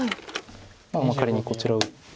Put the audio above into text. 仮にこちらを打って。